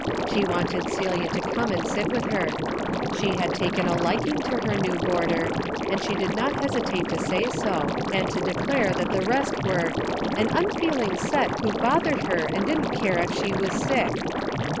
She wanted Celia to come and sit with her. She had taken a liking to her new boarder, and she did not hesi tate to say so, and to declare that the ( were an unfeeling set who bothered he didn't care if she was sick.